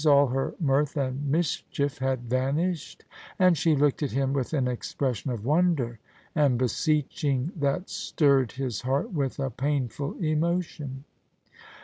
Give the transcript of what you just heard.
All her mirth and mischief had vanished, and she looked at him with an expression of wonder and beseeching that stirred his heart with a painful emotion.